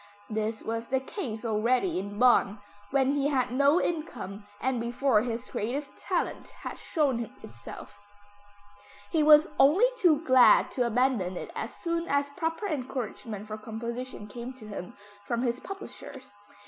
This was the case already in Bonn, when he had no income and before his creative talent had shown itself. He was only too glad to abandon it as soon as proper encouragement for composition came to him from his publishers.